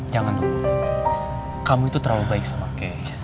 jangan dulu kamu itu terlalu baik sama key